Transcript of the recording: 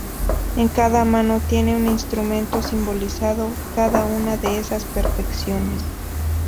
En cada mano tiene un instrumento simbolizando cada una de esas perfecciones.